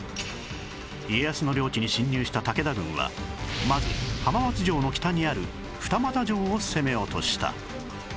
家康の領地に侵入した武田軍はまず浜松城の北にある二俣城を攻め落とした